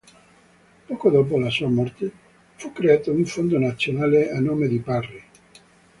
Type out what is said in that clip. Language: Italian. Poco dopo la sua morte fu creato un fondo nazionale a nome di Parry.